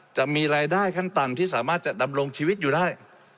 จะมีรายได้ขั้นต่ำที่สามารถจะดำรงชีวิตอยู่ได้